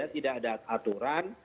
tidak ada aturan